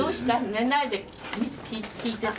寝ないで聴いてた？